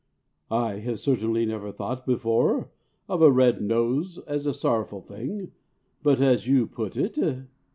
"I have certainly never thought before of a red nose as a sorrowful thing, but as you put it...."